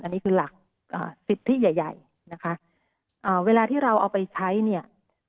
อันนี้คือหลักสิทธิใหญ่ใหญ่นะคะอ่าเวลาที่เราเอาไปใช้เนี่ย